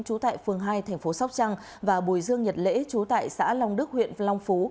trú tại phương hai tp sóc trăng và bùi dương nhật lễ trú tại xã long đức huyện long phú